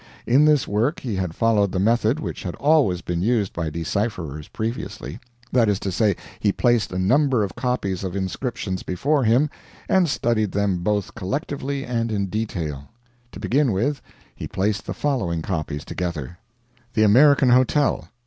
In this work he had followed the method which had always been used by decipherers previously. That is to say, he placed a number of copies of inscriptions before him and studied them both collectively and in detail. To begin with, he placed the following copies together: THE AMERICAN HOTEL.